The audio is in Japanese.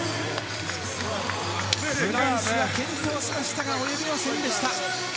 フランスは健闘しましたが及びませんでした。